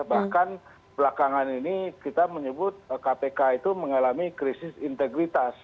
bahkan belakangan ini kita menyebut kpk itu mengalami krisis integritas